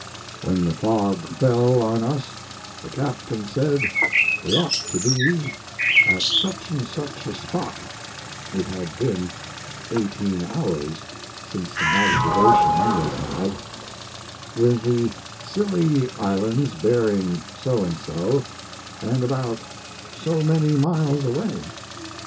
When the fog fell on us the captain said we ought to be at such and such a spot (it had been eighteen hours since an observation was had), with the Scilly islands bearing so and so, and about so many miles away.